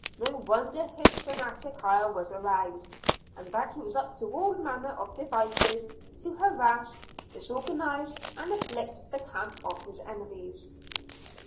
No wonder his satanic ire was aroused; and that he was up to all manner of devices to harass, disorganize and afflict the camp of his enemies.